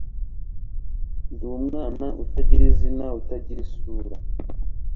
ndi umwana utagira izina, utagira isura